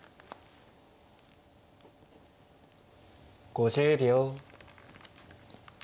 ５０秒。